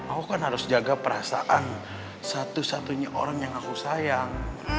aku kan harus jaga perasaan satu satunya orang yang aku sayang